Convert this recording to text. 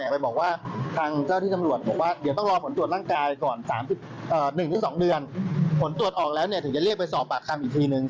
พอสองเดือนผลตรวจออกแล้วถึงจะเรียกไปสอบปากคำอีกทีหนึ่ง